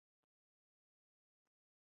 د خپل جنون پر نیستان غزل ولیکم.